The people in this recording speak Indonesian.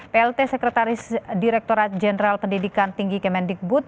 plt sekretaris direkturat jenderal pendidikan tinggi kemendikbud